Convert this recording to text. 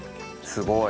すごい。